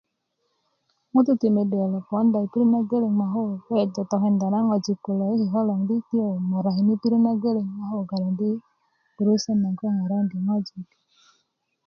ŋutu ti mede kulo ponda i pirit na geleŋ ma weweja tokenda na ŋojik kulo a ko moradi i pirit na geleŋ a ko ga'yi gurusu na joŋani ŋojik